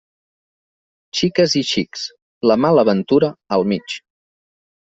Xiques i xics, la mala ventura al mig.